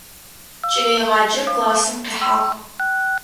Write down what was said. Кӏэлэегъаджэр классым къихьагъ.